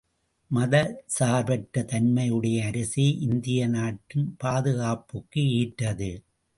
மதச் சார்பற்ற தன்மையுடைய அரசே இந்திய நாட்டின் பாதுகாப்புக்கு ஏற்றது.